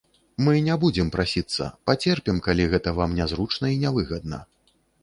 Мы не будзем прасіцца, пацерпім, калі гэта вам нязручна і нявыгадна.